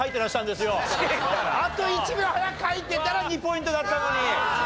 あと１秒早く書いてたら２ポイントだったのに。